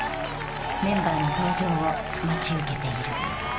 メンバーの登場を待ち受けている。